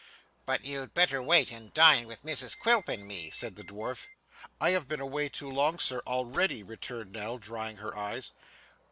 'But you'd better wait, and dine with Mrs Quilp and me.' said the dwarf. 'I have been away too long, sir, already,' returned Nell, drying her eyes.